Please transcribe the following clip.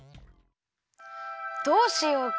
どうしようか？